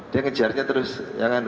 dia ngejarnya terus ya kan